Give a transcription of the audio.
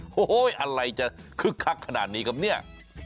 โอ้โหอะไรจะคึกคักขนาดนี้ครับเนี่ย